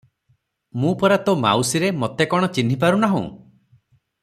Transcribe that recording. ମୁଁ ପରା ତୋ ମାଉସୀରେ- ମୋତେ କଣ ଚିହ୍ନି ପାରୁନାହୁଁ?